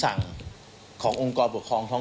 ดังนั้นก็ไม่งั้น